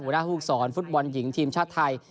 หัวหน้าภูมิสอนฟุตบอลหญิงทีมชาติไทย